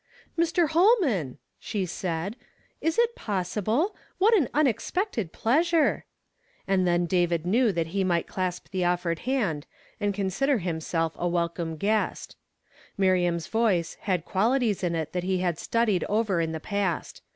"TV n{. IIOLAFAN!" she said, "is it possible? i\L What ail uiiexpeotod pleasure I " And then David knew that he niii^Jit clasp the ofl'ered hand, and consider himself a welcome guest. Miriam's voice had qualities in it that he had studied over in the past.